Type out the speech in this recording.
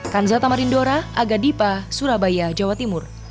kan zatamarindora aga dipa surabaya jawa timur